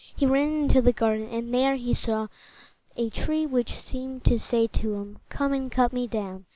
He ran into the garden, and there he saw a tree which seemed to say to him, "Come and cut me down!"